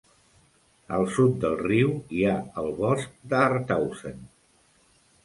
Al sud del riu hi ha el bosc de Harthausen.